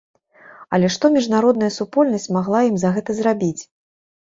Але што міжнародная супольнасць магла ім за гэта зрабіць?